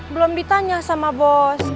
belum ditanya sama bos